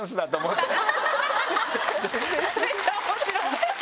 めっちゃ面白い！